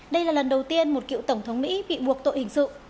đây là lần đầu tiên một cựu tổng thống mỹ bị buộc tội hình sự